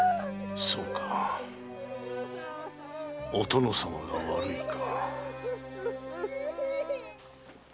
そうか「お殿様が悪い」か。